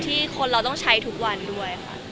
ที่คนเราต้องใช้ทุกวันด้วยค่ะ